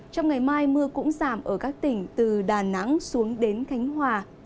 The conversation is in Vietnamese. trong ngày mai mưa cũng giảm ở các tỉnh từ đà nẵng xuống đến khánh hòa